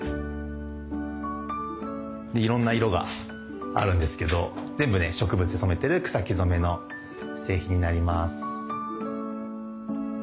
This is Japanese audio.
いろんな色があるんですけど全部ね植物で染めてる草木染めの製品になります。